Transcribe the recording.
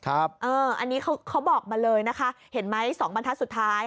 อันนี้เขาบอกมาเลยนะคะเห็นไหม๒บรรทัศน์สุดท้าย